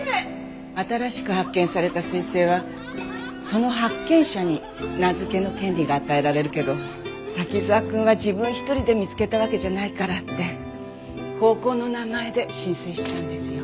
新しく発見された彗星はその発見者に名付けの権利が与えられるけど滝沢くんは自分一人で見つけたわけじゃないからって高校の名前で申請したんですよ。